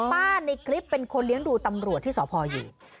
ในคลิปเป็นคนเลี้ยงดูตำรวจที่สพอยู่